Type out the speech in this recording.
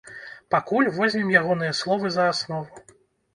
Пакуль возьмем ягоныя словы за аснову.